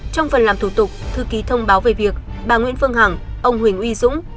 trong phần làm thủ tục thư ký thông báo về việc bà nguyễn phương hằng ông huỳnh uy dũng